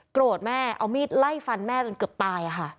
แม่เอามีดไล่ฟันแม่จนเกือบตายค่ะ